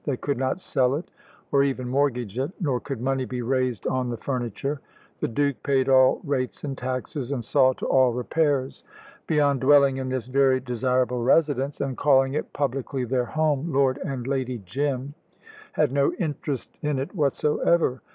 They could not sell it, or even mortgage it, nor could money be raised on the furniture. The Duke paid all rates and taxes, and saw to all repairs. Beyond dwelling in this very desirable residence, and calling it publicly their home, Lord and Lady Jim had no interest in it whatsoever.